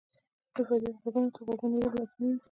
د فریاد ږغونو ته غوږ نیول لازمي وي.